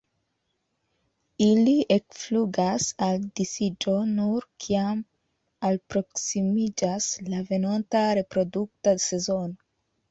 Ili ekflugas al disiĝo nur kiam alproksimiĝas la venonta reprodukta sezono.